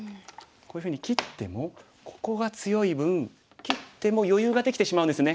こういうふうに切ってもここが強い分切っても余裕ができてしまうんですね。